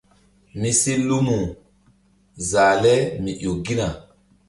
Mi si lumu zah le mi ƴo gina.